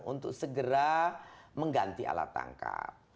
untuk segera mengganti alat tangkap